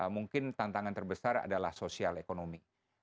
mungkin tantangan terbesar adalah sosial ekonomi